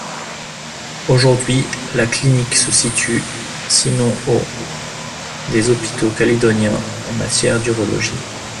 Aujourd'hui, la clinique se situe sinon au des hôpitaux calédoniens en matière d'urologie.